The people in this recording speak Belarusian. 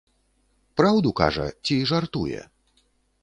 Праўду кажа ці жартуе?